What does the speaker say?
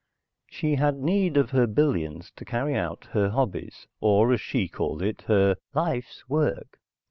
She had need of her billions to carry out her hobbies, or, as she called it, her "life's work."